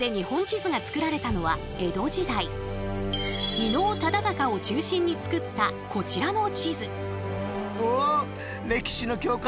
伊能忠敬を中心に作ったこちらの地図。